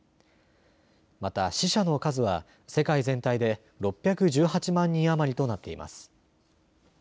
また死者の数は世界全体で６１８万人余りとなっています。